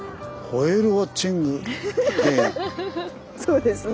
そうですね。